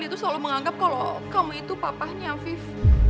dia tuh selalu menganggap kalau kamu itu papahnya afif